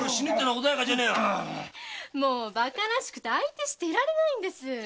もうバカらしくて相手していられないんです。